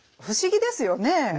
不思議ですよね。